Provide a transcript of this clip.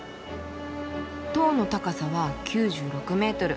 「塔の高さは９６メートル。